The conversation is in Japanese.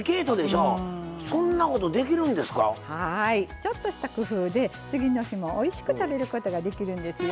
ちょっとした工夫で次の日もおいしく食べることができるんですよ。